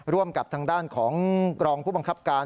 ร่วมกับทางด้านของกรองผู้บังคับการ